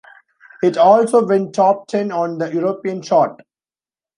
It also went top ten on the European chart.